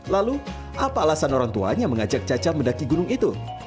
lalu apa alasan orang tuanya mengajak caca mendaki gunung itu